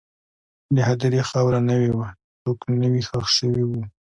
د هدیرې خاوره نوې وه، څوک نوی ښخ شوي وو.